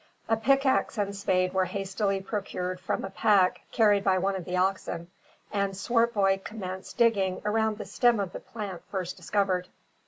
A pick axe and spade were hastily procured from a pack carried by one of the oxen; and Swartboy commenced digging around the stem of the plant first discovered.